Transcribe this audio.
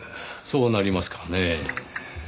そうなりますかねぇ。